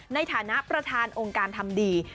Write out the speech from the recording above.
ในฐานะประธานองค์การทำดี